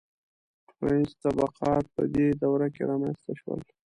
• ټولنیز طبقات په دې دوره کې رامنځته شول.